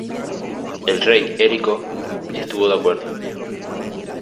El rey Erico estuvo de acuerdo.